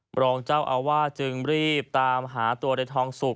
รองเจ้าอาวาสจึงรีบตามหาตัวในทองสุก